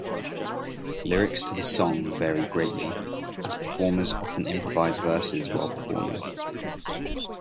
Lyrics to the song vary greatly, as performers often improvise verses while performing.